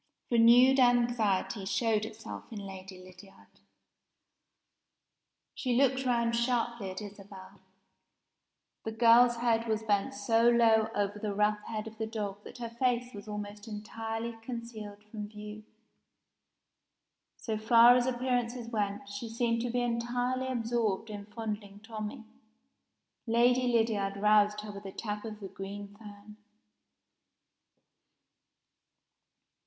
Renewed anxiety showed itself in Lady Lydiard. She looked round sharply at Isabel. The girl's head was bent so low over the rough head of the dog that her face was almost entirely concealed from view. So far as appearances went, she seemed to be entirely absorbed in fondling Tommie. Lady Lydiard roused her with a tap of the green fan.